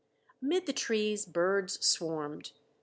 Amid the trees birds swarmed.